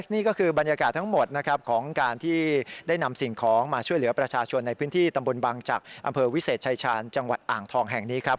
นี่ก็คือบรรยากาศทั้งหมดนะครับของการที่ได้นำสิ่งของมาช่วยเหลือประชาชนในพื้นที่ตำบลบังจักรอำเภอวิเศษชายชาญจังหวัดอ่างทองแห่งนี้ครับ